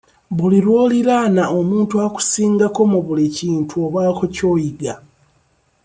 Buli lw'oliraana omuntu akusingako mu buli kintu obaako ky'oyiga.